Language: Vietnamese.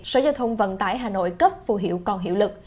sở giao thông vận tải hà nội cấp phù hiệu còn hiệu lực